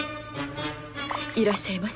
いらっしゃいませ。